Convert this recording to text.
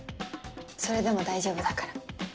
それでも大丈夫だから。